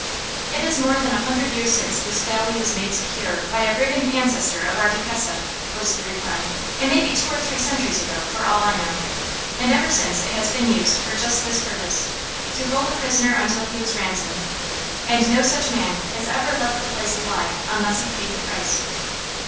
"It is more than a hundred years since this valley was made secure by a brigand ancestor of our Duchessa," was the reply. "It may be two or three centuries ago, for all I know. And ever since it has been used for just this purpose: to hold a prisoner until he was ransomed and no such man has ever left the place alive unless he paid the price."